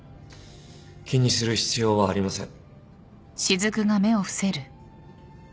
気にする必要はありません。